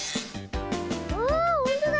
あほんとだ！